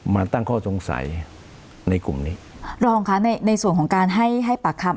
มาตั้งข้อสงสัยในกลุ่มนี้รองค่ะในในส่วนของการให้ให้ปากคำ